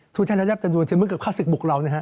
สมมุติท่านรับจำนวนเชื้อเหมือนกับข้าวสิกบุกเรา